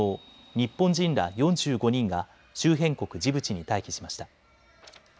日本人ら４５人が周辺国ジブチに退避しました。